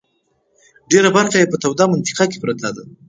ډېره برخه یې په توده منطقه کې پرته ده.